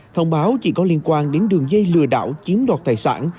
thông báo chỉ có liên quan đến đường dây lừa đảo chiếm đoạt tài sản